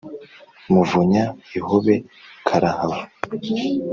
Muvunya ihobe karahava,